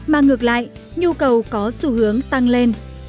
mà ngược lại nhu cầu có xu hướng tăng lên